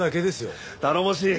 頼もしい！